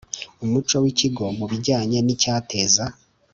Umuco w ikigo mu bijyanye n icyateza